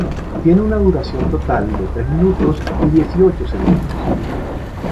Tiene una duración total de tres minutos y diez y ocho segundos.